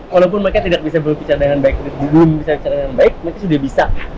walaupun mereka belum bisa bicara dengan baik mereka sudah bisa